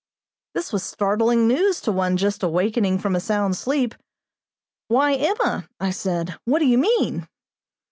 This was startling news to one just awakening from a sound sleep. "Why, Emma!" I said, "what do you mean?"